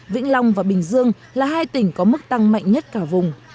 vĩnh long và bình dương là hai tỉnh có mức tăng mạnh nhất cả vùng